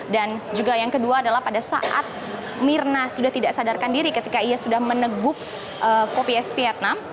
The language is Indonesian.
dan juga yang kedua adalah pada saat mirna sudah tidak sadarkan diri ketika ia sudah meneguk kps vietnam